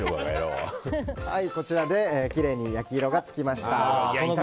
こちらできれいに焼き色がつきました。